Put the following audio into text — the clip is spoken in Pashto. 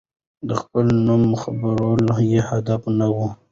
د خپل نوم خپرول يې هدف نه و.